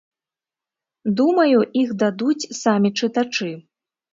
Думаю, іх дадуць самі чытачы.